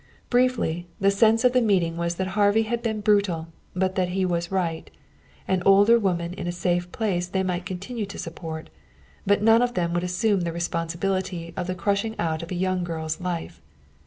Briefly, the sense of the meeting was that Harvey had been brutal, but that he was right. An older woman in a safe place they might continue to support, but none of them would assume the responsibility of the crushing out of a young girl's life.